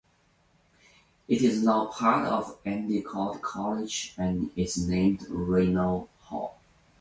It is now part of Endicott College and is named Reynolds Hall.